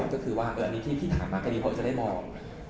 ก็คือว่าอันนี้ที่ท่านมาพออีกจะได้บอก